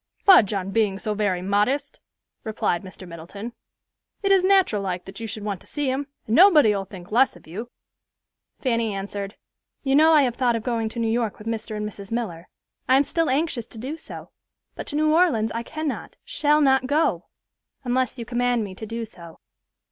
"Fudge on being so very modest," replied Mr. Middleton. "It is nateral like that you should want to see him, and nobody'll think less of you." Fanny answered, "You know I have thought of going to New York with Mr. and Mrs. Miller. I am still anxious to do so; but to New Orleans I cannot, shall not go, unless you command me to do so."